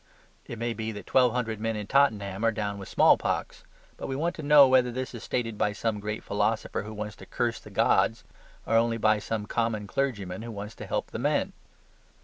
It may be that twelve hundred men in Tottenham are down with smallpox; but we want to know whether this is stated by some great philosopher who wants to curse the gods, or only by some common clergyman who wants to help the men.